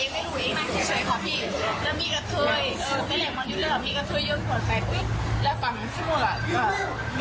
เขายื่นแบบผัวโซดาอะไรเงี้ย